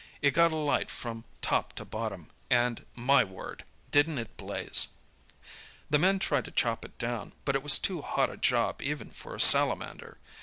It got alight from top to bottom, and, my word, didn't it blaze! "The men tried to chop it down, but it was too hot a job even for a salamander.